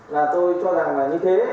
là tôi cho rằng là như thế